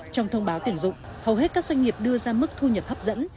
trong thông báo tuyển dụng hầu hết các doanh nghiệp đưa ra mức thu nhập hấp dẫn